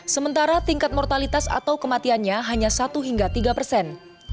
sementara tingkat mortalitas atau kematiannya hanya satu hingga tiga persen